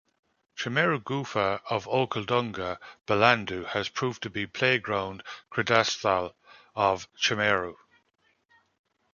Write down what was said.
Chameru Gufa of Okhaldunga Bilandu has proved to be playground "kridasthal" of chameru.